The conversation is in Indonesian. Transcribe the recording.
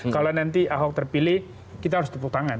kalau nanti ahok terpilih kita harus tepuk tangan